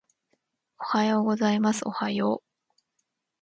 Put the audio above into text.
おはようございますおはよう